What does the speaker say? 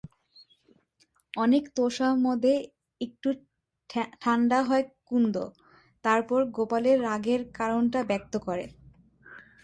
অনেক তোষামোদে একটু ঠাণ্ডা হয় কুন্দ, তারপর গোপালের রাগের কারণটা ব্যক্ত করে।